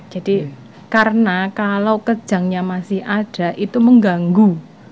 jadi karena kalau kerjangnya masih ada itu mengganggu